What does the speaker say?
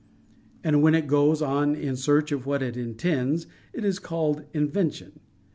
And when it goes on in search of what it "intends," it is called "invention."